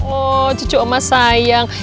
oh cucu omah sayang